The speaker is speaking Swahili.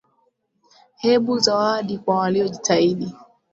Hebu zawadi kwa waliojitahidi.